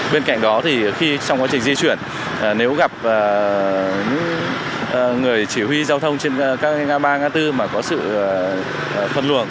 bên cạnh đó trong quá trình di chuyển nếu gặp người chỉ huy giao thông trên các ngã ba ngã tư mà có sự phân luồng